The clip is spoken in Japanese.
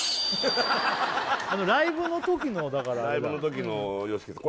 あのライブのときのだからライブのときのＹＯＳＨＩＫＩさん